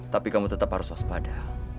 tapi kamu tetap harus waspada